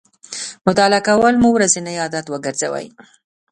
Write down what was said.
مطالعه کول مو ورځنی عادت وګرځوئ